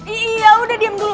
iya udah diam dulu